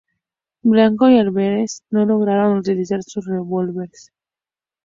Blanco y Arbeláez no lograron utilizar sus revólveres.